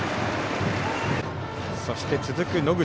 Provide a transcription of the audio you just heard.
そして、続く野口。